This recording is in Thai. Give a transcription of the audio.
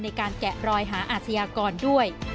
ในการแกะรอยหาอาชญากรด้วย